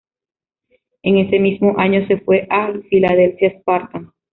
En ese mismo año se fue al Philadelphia Spartans.